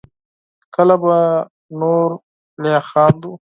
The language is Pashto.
کله به نور لا خندوو